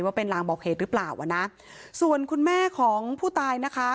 ว่าเป็นลางบอกเหตุหรือเปล่าอ่ะนะส่วนคุณแม่ของผู้ตายนะคะ